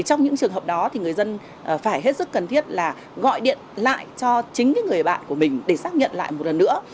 trong những trường hợp đó thì người dân phải hết sức cần thiết là gọi điện lại cho chính người bạn của mình để xác nhận lại một lần nữa